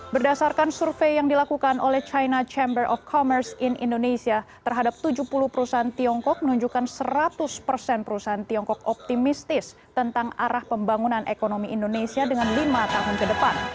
berdasarkan survei yang dilakukan oleh china chamber of commerce in indonesia terhadap tujuh puluh perusahaan tiongkok menunjukkan seratus persen perusahaan tiongkok optimistis tentang arah pembangunan ekonomi indonesia dengan lima tahun ke depan